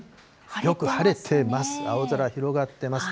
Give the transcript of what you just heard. よく晴れてます。